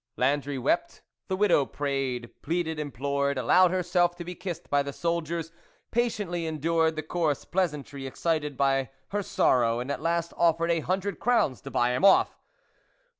Landry wept. The widow prayed, pleaded, implored, allowed herself to be kissed by the soldiers, patiently en dured the coarse pleasantry excited by her sorrow, and at last offered a hundred crowns to buy him off.